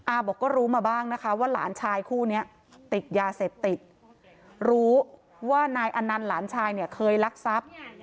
บอกก็รู้มาบ้างนะคะว่าหลานชายคู่นี้ติดยาเสพติดรู้ว่านายอนันต์หลานชายเนี่ยเคยลักทรัพย์